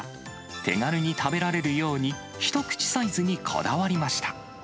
手軽に食べられるように、一口サイズにこだわりました。